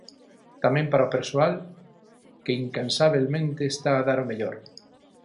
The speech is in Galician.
Tamén para o persoal, "que incansabelmente está a dar o mellor".